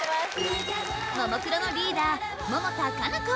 ももクロのリーダー百田夏菜子